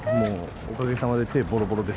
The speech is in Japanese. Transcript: おかげさまで手、ぼろぼろです。